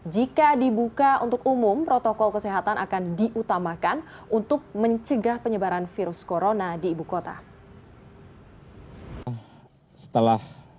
jika dibuka untuk umum protokol kesehatan akan diutamakan untuk mencegah penyebaran virus corona di ibu kota